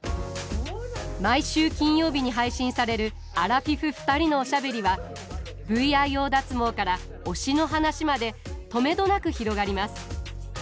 毎週金曜日に配信されるアラフィフ２人のおしゃべりはＶＩＯ脱毛から推しの話までとめどなく広がります。